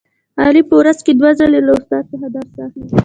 علي په ورځ کې دوه ځلې له استاد څخه درس اخلي.